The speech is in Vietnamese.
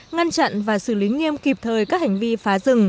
ngăn chặn và xử lý nghiêm kịp thời các hành vi phá rừng